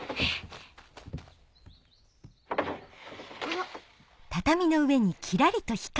あっ。